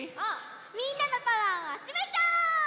みんなのパワーをあつめちゃおう！